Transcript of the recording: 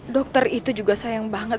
dokter itu juga sayang banget